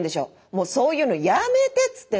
もうそういうのやめてっつってんの。